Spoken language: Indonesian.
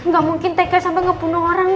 gak mungkin tekai sampe gak bunuh orang